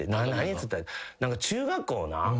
っつったら中学校な何か。